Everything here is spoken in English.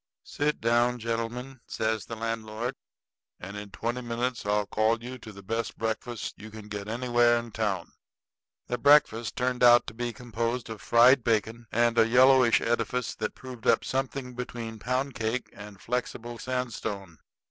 "Sit down, gentlemen," says the landlord, "and in twenty minutes I'll call you to the best breakfast you can get anywhere in town." That breakfast turned out to be composed of fried bacon and a yellowish edifice that proved up something between pound cake and flexible sandstone.